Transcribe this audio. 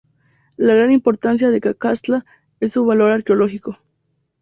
La gran importancia de Cacaxtla es su valor arqueológico.